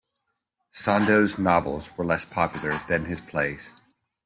Sandeau's novels were less popular than his plays.